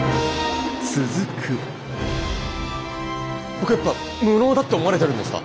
僕やっぱ無能だって思われてるんですか！？